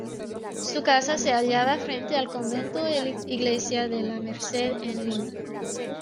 Su casa se hallaba frente al Convento e Iglesia de La Merced, en Lima.